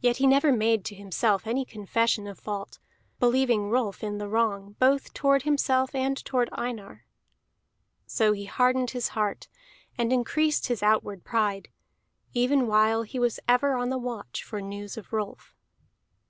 Yet he never made to himself any confession of fault, believing Rolf in the wrong, both toward himself and toward Einar. So he hardened his heart and increased his outward pride, even while he was ever on the watch for news of Rolf.